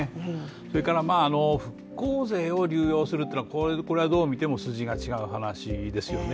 それから復興税を流用するというのはこれはどうみても筋が違う話ですよね。